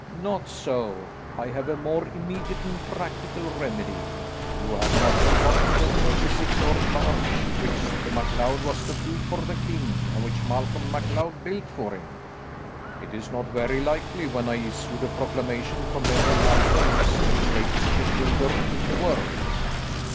"Not so. I have a more immediate and practical remedy. You have not forgotten the twenty six oared barge which the MacLeod was to keep for the king, and which Malcolm MacLeod built for him." "It is not very likely, when I issued a proclamation commending Malcolm as the greatest shipbuilder in the world."